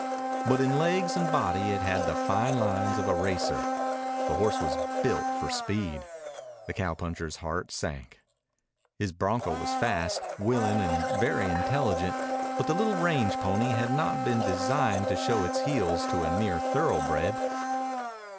But in legs and body it had the fine lines of a racer. The horse was built for speed. The cowpuncher's heart sank. His bronco was fast, willing, and very intelligent, but the little range pony had not been designed to show its heels to a near thoroughbred.